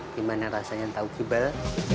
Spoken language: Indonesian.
gimana rasanya tahu gimbal